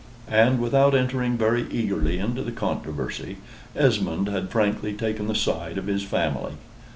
And without entering very eagerly into the controversy, Esmond had frankly taken the side of his family.